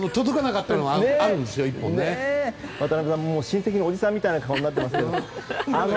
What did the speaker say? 渡辺さん親戚のおじさんみたいな顔になってますけど。